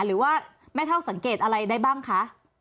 หรือว่าแม่เท่าสังเกตอะไรได้บ้างคะ